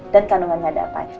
dan kandungannya ada apa aja